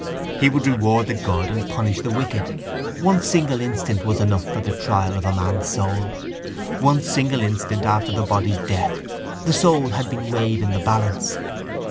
He would reward the good and punish the wicked. One single instant was enough for the trial of a man's soul. One single instant after the body's death, the soul had been weighed in the balance.